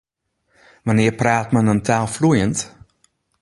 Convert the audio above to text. Wannear praat men in taal floeiend?